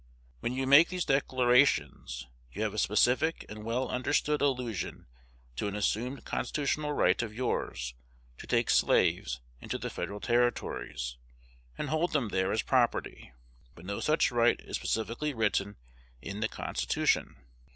When you make these declarations, you have a specific and well under stood allusion to an assumed constitutional right of yours to take slaves into the Federal Territories, and hold them there as property; but no such right is specifically written in the Constitution.